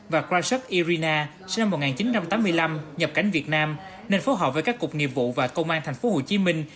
và krasov irina sinh năm một nghìn chín trăm tám mươi năm nhập cảnh việt nam nền phố họ với các cục nhiệm vụ và công an thành phố hồ chí minh